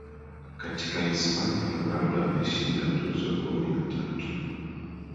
Katika Hispania Ronaldo ameshinda tuzo kumi na tatu